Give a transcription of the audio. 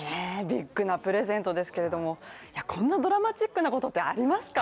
ビッグなプレゼントですけどもこんなドラマチックなことってありますか？